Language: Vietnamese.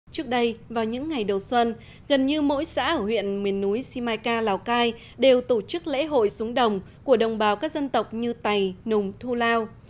trước đây vào những ngày đầu xuân gần như mỗi xã ở huyện miền núi simacai lào cai đều tổ chức lễ hội xuống đồng của đồng bào các dân tộc như tày nùng thu lao